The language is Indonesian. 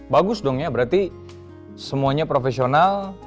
bagus dong ya berarti semuanya profesional